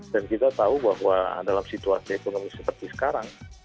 dan kita tahu bahwa dalam situasi ekonomi seperti sekarang